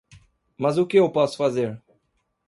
Mas o que eu posso fazer?